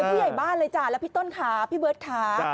ต่อยผู้ใหญ่บ้านเลยจ้ะแล้วพี่ต้นขาพี่เบิร์ดขา